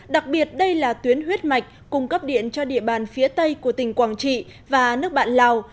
đặc biệt đây là tuyến huyết mạch cung cấp điện cho địa bàn phía tây của tỉnh quảng trị và nước bạn lào